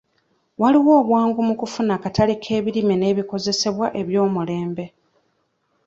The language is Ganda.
Waliwo obwangu mu kufuna akatale k'ebirime n'ebikozesebwa eby'omulembe.